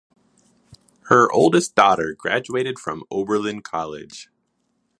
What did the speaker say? Her oldest daughter graduated from Oberlin College.